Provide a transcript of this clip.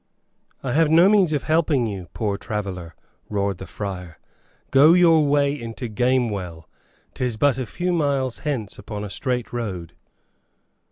"I have no means of helping you, poor traveller," roared the friar. "Go your way into Gamewell, 'tis but a few miles hence upon a straight road."